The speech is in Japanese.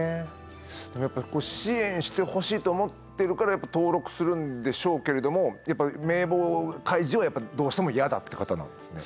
でも支援してほしいと思ってるからやっぱり登録するんでしょうけれどもやっぱり名簿開示はどうしても嫌だって方なんですね。